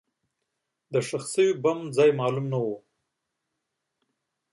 د ښخ شوي بم ځای معلوم نه و.